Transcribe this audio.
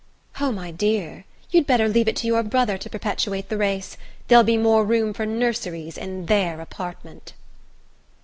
"Oh, my dear, you'd better leave it to your brother to perpetuate the race. There'll be more room for nurseries in their apartment!"